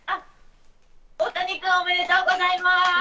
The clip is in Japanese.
大谷君、おめでとうございます！